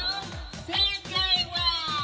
正解は」